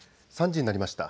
３時になりました。